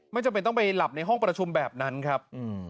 จำเป็นต้องไปหลับในห้องประชุมแบบนั้นครับ